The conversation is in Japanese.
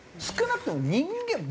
少なくとも人間